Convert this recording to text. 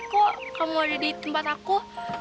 kok kamu ada di tempat aku